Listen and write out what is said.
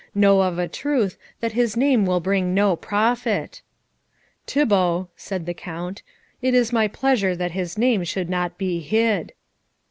Know of a truth that his name will bring no profit." "Thibault," said the Count, "it is my pleasure that his name should not be hid."